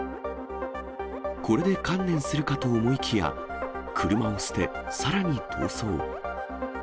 これで観念するかと思いきや、車を捨て、さらに逃走。